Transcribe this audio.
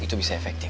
itu bisa efektif